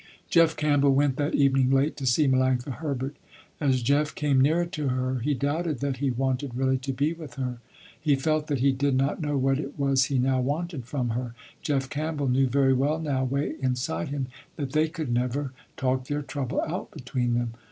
Jeff Campbell went that evening late to see Melanctha Herbert. As Jeff came nearer to her, he doubted that he wanted really to be with her, he felt that he did not know what it was he now wanted from her. Jeff Campbell knew very well now, way inside him, that they could never talk their trouble out between them.